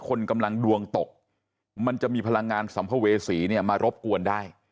คนกำลังดวงตกมันจะมีพลังงานสัมภเวษีเนี่ยมารบกวนได้